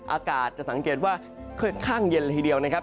อากาศจะสังเกตว่าค่อนข้างเย็นละทีเดียวนะครับ